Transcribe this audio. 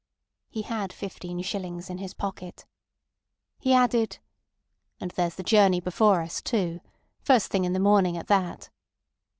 He had fifteen shillings in his pocket. He added: "And there's the journey before us, too—first thing in the morning at that."